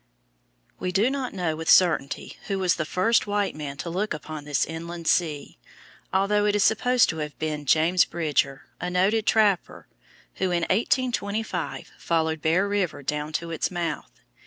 We do not know with certainty who was the first white man to look upon this inland sea, although it is supposed to have been James Bridger, a noted trapper, who in 1825 followed Bear River down to its mouth.